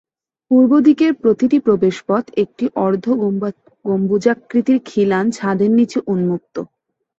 পূর্ব দিকের প্রতিটি প্রবেশপথ একটি অর্ধগম্বুজাকৃতির খিলান ছাদের নিচে উন্মুক্ত।